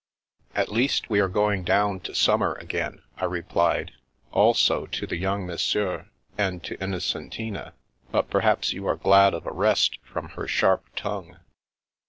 '*" At least we are going down to summer again," I replied ;" also to the young Monsieur ; and to In nocentina. But perhaps you are glad of a rest from her sharp tongue."